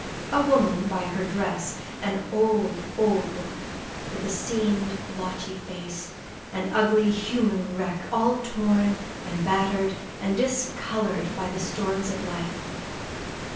A woman by her dress, an old, old woman, with a seamed, blotched face; an ugly, human wreck, all torn and battered and discolored by the storms of life.